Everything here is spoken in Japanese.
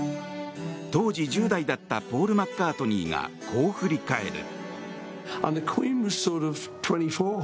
当時１０代だったポール・マッカートニーがこう振り返る。